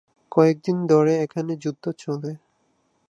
কয়েক দিন ধরে এখানে যুদ্ধ চলে।